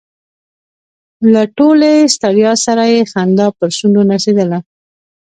له ټولې ستړیا سره یې خندا پر شونډو نڅېدله.